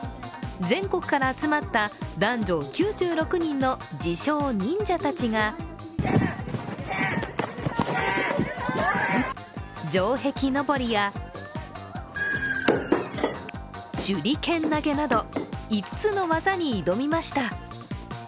全国から集まった男女９６人の自称・忍者たちが城壁登りや手裏剣投げなど、５つの技に挑みました。